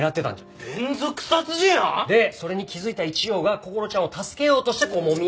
でそれに気づいた一条がこころちゃんを助けようとしてこうもみ合いになって。